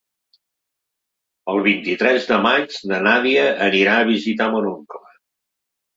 El vint-i-tres de maig na Nàdia anirà a visitar mon oncle.